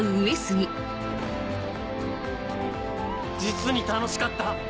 実に楽しかった！